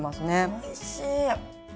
おいしい。